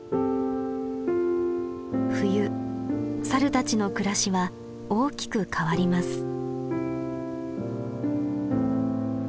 冬サルたちの暮らしは大きく変わります。